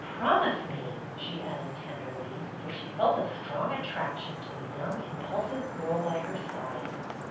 Promise me/' she added tenderly, for she felt ^ Scrong attraction to the young, impulsive girl by her side.